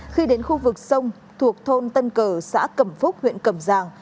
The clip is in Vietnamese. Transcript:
khi đến khu vực sông thuộc thôn tân cờ xã cẩm phúc huyện cầm giang